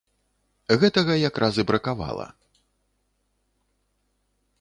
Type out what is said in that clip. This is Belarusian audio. Гэтага якраз і бракавала.